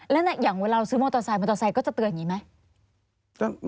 แล้วอย่างเวลาเราซื้อมอเตอร์ไซน์มอเตอร์ไซน์ก็จะเตือนอย่างนี้ไหม